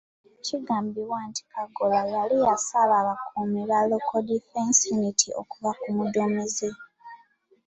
Kigambibwa nti Kagolo yali yasaba abakuumi ba Local Defence Unity okuva ku muduumizi.